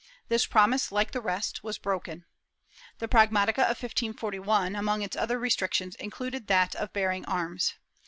This promise, like the rest, was broken. The pragmatica of 1541, among its other restrictions, included that of bearing arms.